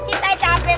sitae capek banget ini